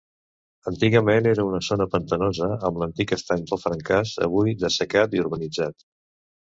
Antigament era una zona pantanosa amb l'antic estany del Francàs avui dessecat i urbanitzat.